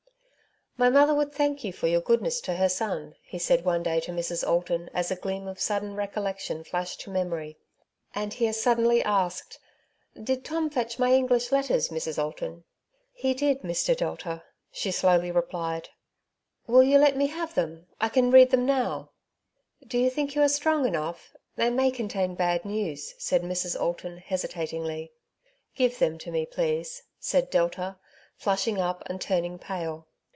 ''^* My mother would thank you for your goodness to her son,'' he said one day to Mrs. Alton, as a gleam of sudden recollection flashed to memory; 226 *• Tzvo Sides to every Question y and lie as suddenly asked^ ''Did Tom fetch my English letters, Mrs. Alton ?" He did, Mr. Delta/' she slowly replied. Will you let me have them ? I can read them nowJ " Do you think you are strong enough ? They may contain bad news/' said Mrs. Alton hesi tatingly. " Give them to me, please," said Delta, flashing up, and turning pale.